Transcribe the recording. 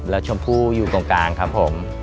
แล้วชมพู่อยู่ตรงกลางครับผม